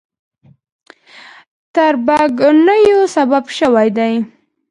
تربګنیو سبب شوي دي.